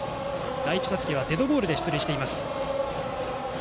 第１打席はデッドボールで出塁しています。